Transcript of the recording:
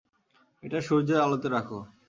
এটা সূর্যের আলোতে রাখো!